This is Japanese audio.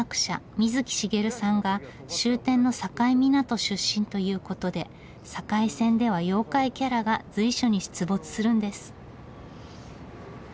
水木しげるさんが終点の境港出身ということで境線では妖怪キャラが随所に出没するんです。